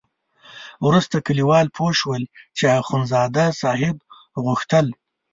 وروسته کلیوال پوه شول چې اخندزاده صاحب غوښتل.